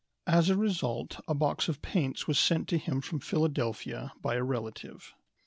As a result a box of paints was sent to him from Philadelphia by a relative.